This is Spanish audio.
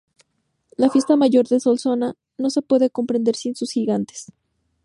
La Fiesta Mayor de Solsona no se puede comprender sin sus gigantes.